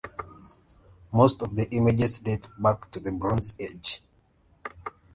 Most of the images date back to the Bronze Age.